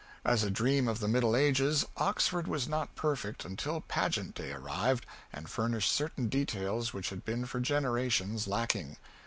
As a dream of the Middle Ages Oxford was not perfect until Pageant day arrived and furnished certain details which had been for generations lacking.